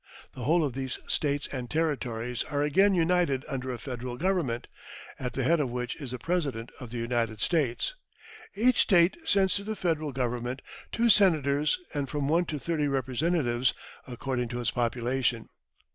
The whole of these States and Territories are again united under a Federal Government, at the head of which is the President of the United States. Each State sends to the Federal Government two Senators and from one to thirty Representatives, according to its population.